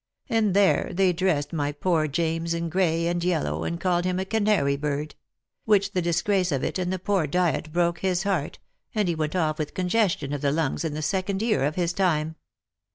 And there they dressed my poor James in gray and yellow, and called him a canary bird ; which the disgrace of it and the poor diet broke his heart, and he went off with congestion of the lungs in the second year of his time.